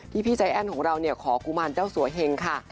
พี่ใจแอ้นของเราขอกุมารเจ้าสัวเฮงค่ะ